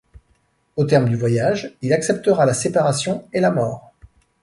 Au terme du voyage, il acceptera la séparation et la mort.